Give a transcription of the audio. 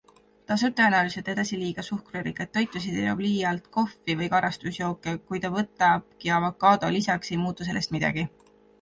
Ta sööb tõenäoliselt edasi liiga palju suhkrurikkaid toitusid ja joob liialt kohvi või karastusjooke -- kui ta võtabki avokaado lisaks, ei muutu sellest midagi.